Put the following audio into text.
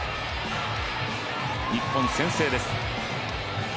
日本、先制です。